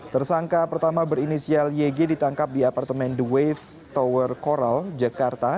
tersangka pertama berinisial yg ditangkap di apartemen the wave tower coral jakarta